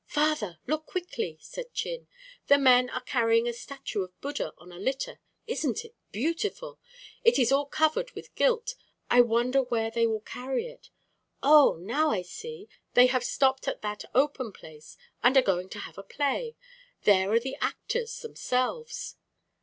"Father, look quickly," said Chin. "The men are carrying a statue of Buddha on a litter. Isn't it beautiful? It is all covered with gilt. I wonder where they will carry it. Oh, now I see; they have stopped at that open place and are going to have a play. There are the actors themselves."